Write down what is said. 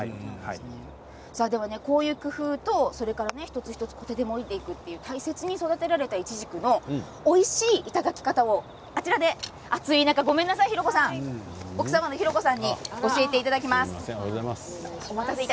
こういう工夫と一つ一つ手で、もいでいくという大切に育てられたイチジクのおいしいいただき方をあちらで暑い中ごめんなさい裕子さん奥様の裕子さんに教えていただきます。